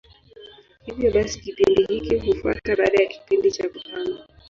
Hivyo basi kipindi hiki hufuata baada ya kipindi cha kuhama.